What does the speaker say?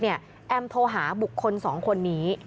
แอมโทรหาบุคคล๒คนนี้